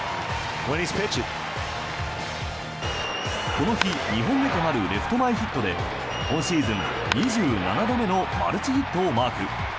この日２本目となるレフト前ヒットで今シーズン２７度目のマルチヒットをマーク。